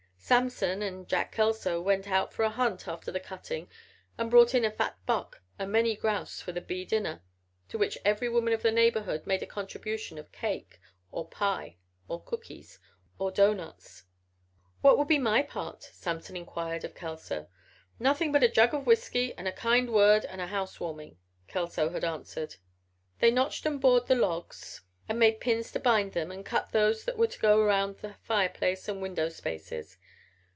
Samson and Jack Kelso went out for a hunt after the cutting and brought in a fat buck and many grouse for the bee dinner, to which every woman of the neighborhood made a contribution of cake or pie or cookies or doughnuts. "What will be my part?" Samson had inquired of Kelso. "Nothing but a jug of whisky and a kind word and a house warming," Kelso had answered. They notched and bored the logs and made pins to bind them and cut those that were to go around the fireplace and window spaces.